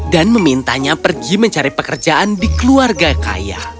dan memintanya pergi mencari pekerjaan di keluarga kaya